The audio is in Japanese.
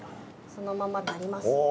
そのままになります。